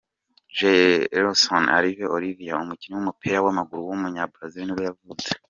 Jefferson Alves Oliveira, umukinnyi w’umupira w’amaguru w’umunyabrazil nibwo yavutse.